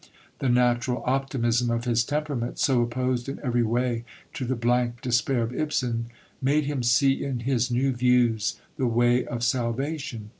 The natural optimism of his temperament, so opposed in every way to the blank despair of Ibsen, made him see in his new views the way of salvation.